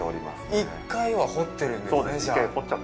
１回は掘ってるんですね、じゃあ。